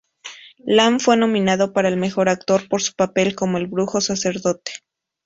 Lam fue nominado para el Mejor Actor por su papel como el brujo-sacerdote.